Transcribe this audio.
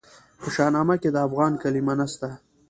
په شاهنامه کې د افغان کلمه نسته.